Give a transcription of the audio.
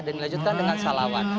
dan dilanjutkan dengan sholat shalawat